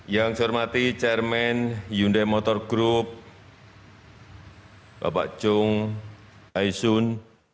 yang saya hormati chairman hyundai motor group bapak jung aisun